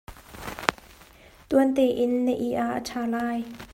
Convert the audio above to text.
Tuan tein na it ah a ṭha lai.